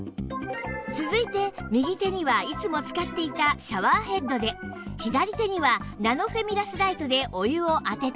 続いて右手にはいつも使っていたシャワーヘッドで左手にはナノフェミラスライトでお湯を当てて